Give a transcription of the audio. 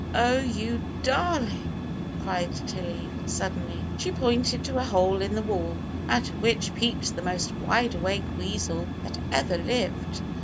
"Oh, you darling!" cried Tilly, suddenly. She pointed to a hole in the wall, out of which peeped the most wide awake weasel that ever lived.